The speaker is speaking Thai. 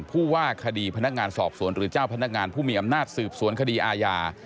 ผู้ว่าคดีพนักงานสอบสวนหรือเจ้าพนักงานผู้มีอำนาจสืบสวนคดีอาญา